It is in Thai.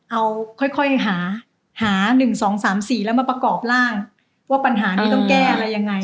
เอาค่อยหา๑๒๓๔แล้วมาประกอบร่างว่าปัญหานี้ต้องแก้อะไรยังไง